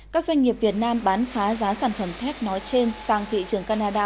các doanh nghiệp việt nam bán phá giá sản phẩm thép nói trên sang thị trường canada